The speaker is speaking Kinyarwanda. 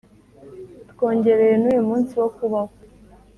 twongereye nuyu munsi wo kubaho